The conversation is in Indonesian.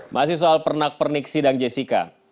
masih soal pernak pernik sidang jessica